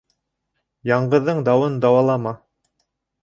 Яңғыҙҙың дауын даулама.